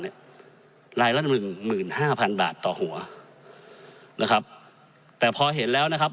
รายละหนึ่งหมื่นห้าพันบาทต่อหัวนะครับแต่พอเห็นแล้วนะครับ